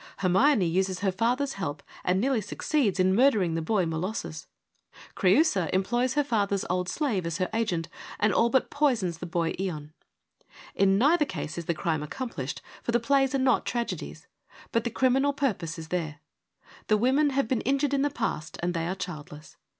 Hermione uses her father's help and nearly succeeds in murder ing the boy Molossus. Creiisa employs her father's old slave as her agent, and all but poisons the boy Ion. In neither case is the crime accomplished, THE FOUR FEMINIST PLAYS 117 for the plays are not ' tragedies '; but the criminal purpose is there. The women have been injured in the past and they are childless.